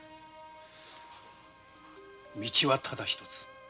道はただ一つ。